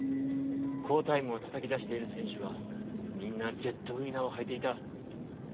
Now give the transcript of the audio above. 好タイムをたたきだしている選手はみんなジェットウィナーをはいていた。